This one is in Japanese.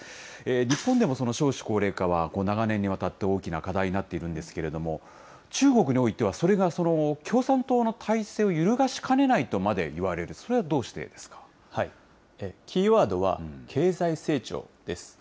日本でも少子高齢化は、長年にわたって、大きな課題になっているんですけれども、中国においては、それが共産党の体制を揺るがしかねないとまでいわれる、それはどキーワードは経済成長です。